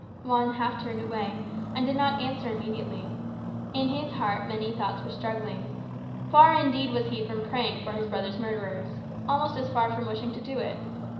Juan half turned away, and did not answer immediately. In his heart many thoughts were struggling. Far, indeed, was he from praying for his brother's murderers; almost as far from wishing to do it.